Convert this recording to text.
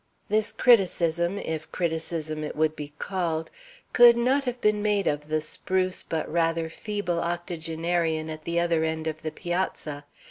This criticism, if criticism it would be called, could not have been made of the spruce, but rather feeble octogenarian at the other end of the piazza.